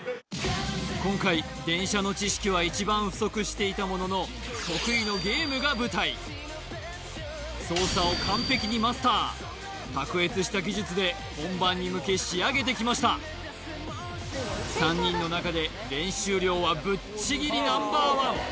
今回電車の知識は一番不足していたものの得意のゲームが舞台卓越した技術で本番に向け仕上げてきました３人の中で練習量はぶっちぎりＮｏ．１